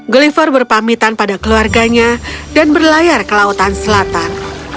gulliver berpamitan pada keluarganya dan berlayar ke lautan selatan